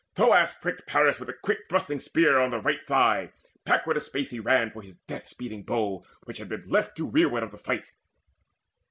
Thoas pricked Paris with quick thrusting spear On the right thigh: backward a space he ran For his death speeding bow, which had been left To rearward of the fight.